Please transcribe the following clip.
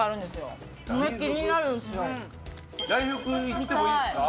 大福いってもいいですか？